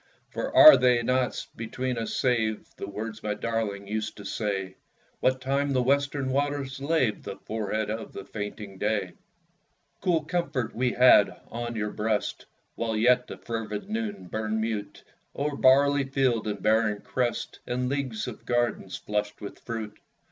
For are they not between us saved, The words my darling used to say, What time the western waters laved The forehead of the fainting day? Cool comfort had we on your breast While yet the fervid noon burned mute O'er barley field and barren crest, And leagues of gardens flushed with fruit.